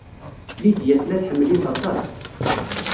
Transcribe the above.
Lydia tella tḥemmel-it aṭas.